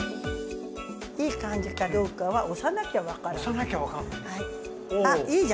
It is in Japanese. いい感じかどうかは押さなきゃ分からない。